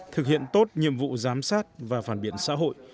thực hiện tốt nhiệm vụ giám sát và phản biện xã hội